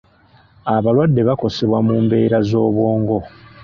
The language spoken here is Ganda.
Abalwadde bakosebwa mu mbeera z'obwongo.